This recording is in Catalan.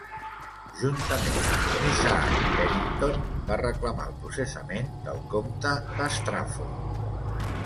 Juntament amb Isaac Penington, va reclamar el processament del comte de Strafford.